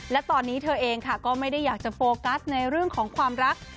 และตอนนี้เธอเองค่ะก็ไม่ได้อยากจะโฟกัสในเรื่องของความรัก